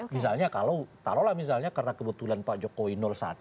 misalnya kalau taruhlah misalnya karena kebetulan pak jokowi satu